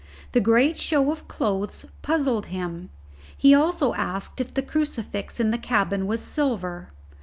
The great show of clothes puzzled him. He also asked if the crucifix in the cabin was silver.